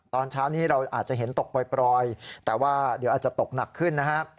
ตอนเช้านี้เราอาจจะเห็นตกปล่อยแต่ว่าเดี๋ยวอาจจะตกหนักขึ้นนะฮะ